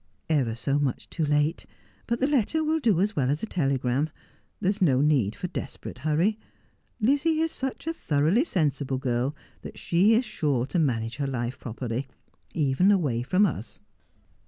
'Ever so much too late. But the letter will do as well as a ' What is the Key to the Enigma ?' 309 telegram. There is no need for desperate hurry. Lizzie is sucu a thoroughly sensible girl that she is sure to manage her life properly, even away from us.'